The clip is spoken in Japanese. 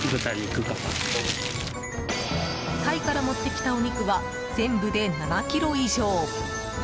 タイから持ってきたお肉は全部で７ｋｇ以上。